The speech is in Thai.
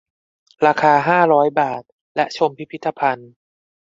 ราคา ห้าร้อย บาท และชมพิพิธภัณฑ์